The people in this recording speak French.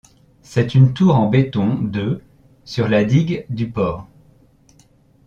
C'est une tour en béton de sur la digue du port.